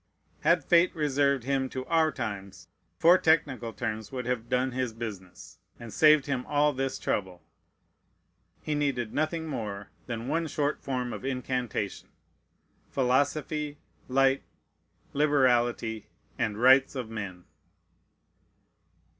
Had fate reserved him to our times, four technical terms would have done his business, and saved him all this trouble; he needed nothing more than one short form of incantation: "Philosophy, Light, Liberality, the Rights of Men."